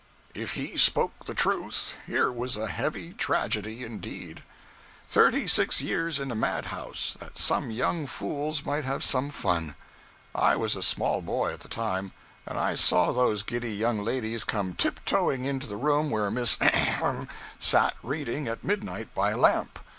If he spoke the truth, here was a heavy tragedy, indeed. Thirty six years in a madhouse, that some young fools might have some fun! I was a small boy, at the time; and I saw those giddy young ladies come tiptoeing into the room where Miss sat reading at midnight by a lamp.